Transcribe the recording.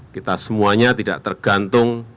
kita semuanya tidak tergantung